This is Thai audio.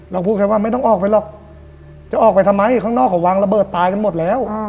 พูดแค่ว่าไม่ต้องออกไปหรอกจะออกไปทำไมข้างนอกเขาวางระเบิดตายกันหมดแล้ว